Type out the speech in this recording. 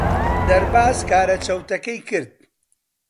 دەرباز کارە چەوتەکەی کرد.